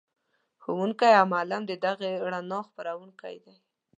ښوونکی او معلم د دغې رڼا خپروونکی دی.